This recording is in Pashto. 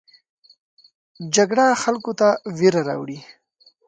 جګړه خلکو ته ویره راوړي